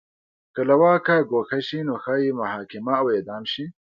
که له واکه ګوښه شي نو ښايي محاکمه او اعدام شي.